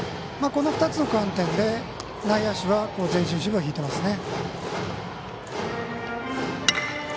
この２つの観点で、内野守備は前進守備を敷いてますね。